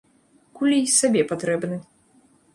Кулі й сабе патрэбны.